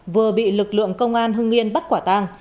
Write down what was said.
vừa bị lực lượng công an hưng yên bắt quả tàng